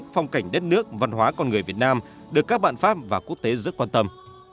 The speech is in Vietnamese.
phong cảnh đất nước văn hóa con người việt nam được các bạn pháp và quốc tế rất quan tâm